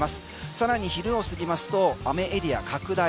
さらに昼を過ぎますと雨エリア拡大。